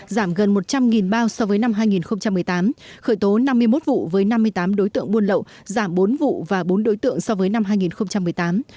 giảm gần một trăm linh bao so với năm hai nghìn một mươi tám khởi tố năm mươi một vụ với năm mươi tám đối tượng buôn lậu giảm bốn vụ và bốn đối tượng so với năm hai nghìn một mươi tám